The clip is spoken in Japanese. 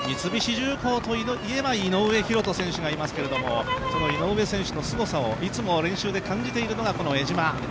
三菱重工といえば井上大仁選手がいますがその井上選手のすごさをいつも練習で感じているのが、この江島。